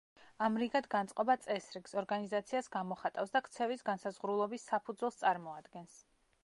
ამრიგად, განწყობა წესრიგს, ორგანიზაციას გამოხატავს და ქცევის განსაზღვრულობის საფუძველს წარმოადგენს.